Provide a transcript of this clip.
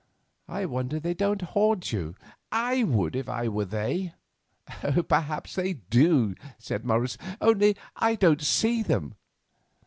I wonder they don't haunt you; I would if I were they." "Perhaps they do," said Morris, "only I don't see them."